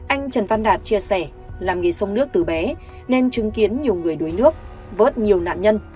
anh trần văn đạt chia sẻ làm nghề sông nước từ bé nên chứng kiến nhiều người đuối nước vớt nhiều nạn nhân